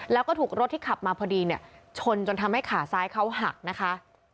แล้วก็ถูกรถที่ขับมาพอดีเนี่ยชนจนทำให้ขาซ้ายเขาหักนะคะ